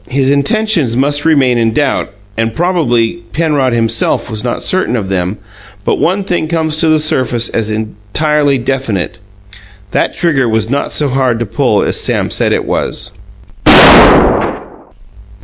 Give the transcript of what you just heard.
His intentions must remain in doubt, and probably Penrod himself was not certain of them; but one thing comes to the surface as entirely definite that trigger was not so hard to pull as Sam said it was.